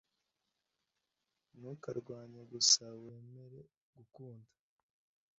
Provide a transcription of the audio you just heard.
Ntukarwanye. Gusa wemere kunkunda.